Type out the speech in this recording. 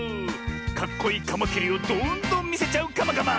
かっこいいカマキリをどんどんみせちゃうカマカマ。